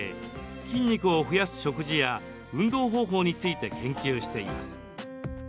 筋肉を増やす食事や運動方法について研究しています。